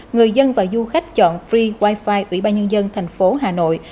người dân và du khách chọn free wi fi ủy ban nhân dân thành phố hà nội